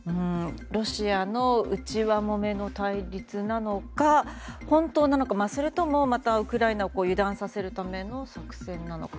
ロシアの内輪もめの対立なのか本当なのかそれともまたウクライナを油断させるための作戦なのか。